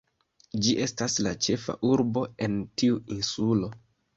Ĝi estas la ĉefa urbo en tiu insulo.